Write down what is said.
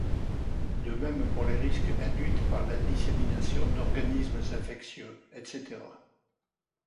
De même pour les risques induite par la dissémination d'organismes infectieux, etc.